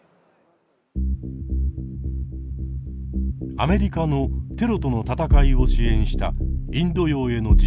アメリカのテロとの戦いを支援したインド洋への自衛隊派遣。